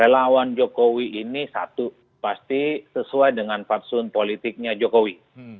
relawan jokowi ini satu pasti sesuai dengan fatsun politiknya jokowi